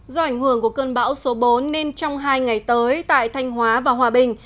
do ảnh hưởng của cơn bão số bốn nên trong hai ngày tới tại thanh hóa và hòa bình